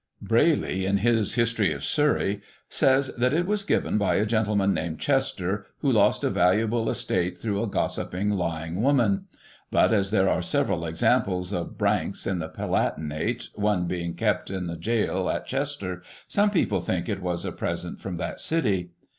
Brayley, in his " History of Surrey," says that it was given by a gentleman named Chester, who lost a valuable estate through a gossiping, lying woman ; but, as there are several examples of branks in the Palatinate, one being kept in the gaol at Chester, some people think it was a present from that city.